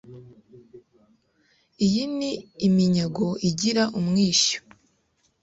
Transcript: Iyo ni iminyago igira umwishyo